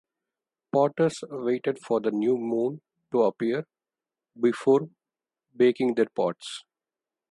Potters waited for the new moon to appear before baking their pots.